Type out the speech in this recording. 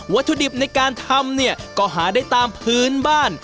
ถุดิบในการทำเนี่ยก็หาได้ตามพื้นบ้าน